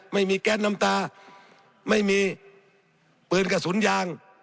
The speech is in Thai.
ไม่มีแก๊สน้ำตาไม่มีปืนกระสุนยาง